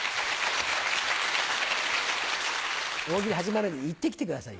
大喜利始まる前に行ってきてください。